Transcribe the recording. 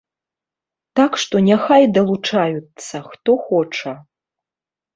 Так што няхай далучаюцца, хто хоча.